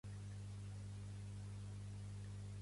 Però Warlimont no va participar en el moviment anti-Hitler.